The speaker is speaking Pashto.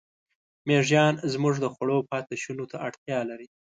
مېږیان زموږ د خوړو پاتېشونو ته اړتیا لري.